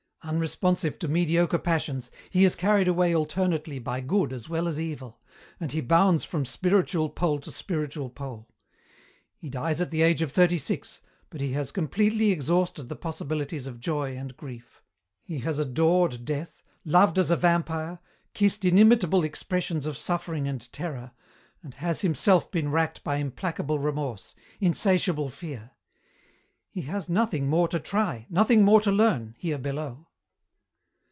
"Unresponsive to mediocre passions, he is carried away alternately by good as well as evil, and he bounds from spiritual pole to spiritual pole. He dies at the age of thirty six, but he has completely exhausted the possibilities of joy and grief. He has adored death, loved as a vampire, kissed inimitable expressions of suffering and terror, and has, himself, been racked by implacable remorse, insatiable fear. He has nothing more to try, nothing more to learn, here below.